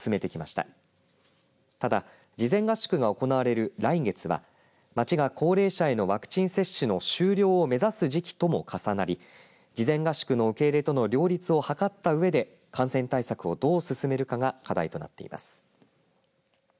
ただ、事前合宿が行われる来月は町が高齢者へのワクチン接種の終了を目指す時期とも重なり事前合宿の受け入れとの両立を図ったうえで感染対策をどう進めるかが課題となっています。